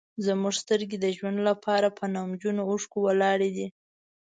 زموږ سترګې د ژوند لپاره په نمجنو اوښکو ولاړې دي.